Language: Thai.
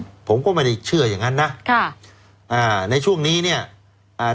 ผมก็ไม่ได้เชื่ออย่างงั้นนะค่ะอ่าในช่วงนี้เนี้ยอ่า